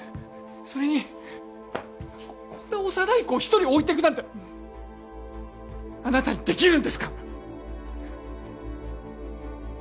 それにこんな幼い子を一人置いてくなんてあなたにできるんですか？